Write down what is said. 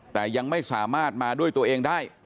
แต่ยังไม่สามารถมาด้วยตัวเองได้